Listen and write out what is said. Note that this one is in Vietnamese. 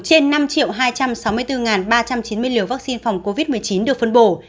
trên năm hai trăm sáu mươi bốn ba trăm chín mươi liều vaccine phòng covid một mươi chín được phân bổ